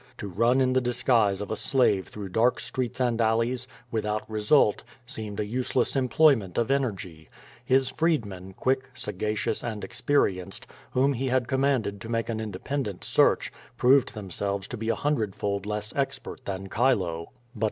To run in the disguise of a slave through dark streets and alleys, without result, seemed a useless employment of energy. His freedmen, quick, sagacious and experienced, whom he had commanded to make an independent search, prove4 themselves to be a hundredfold less expert than Chilo.